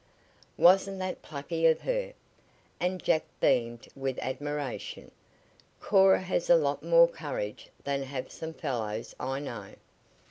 Wasn't that plucky of her?" and Jack beamed with admiration. "Cora has a lot more courage than have some fellows I know."